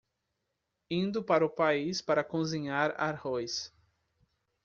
Indo para o país para cozinhar arroz